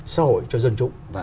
xã hội cho dân chủ